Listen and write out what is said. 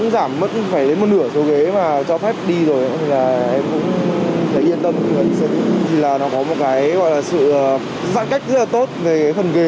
vậy thì là nó có một cái gọi là sự giãn cách rất là tốt về phần ghế